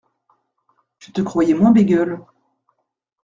Je te croyais moins bégueule.